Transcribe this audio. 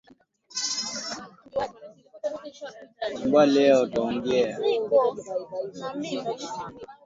hivyo kuna Iloshoni kumi na sita katika jamii ya kimasai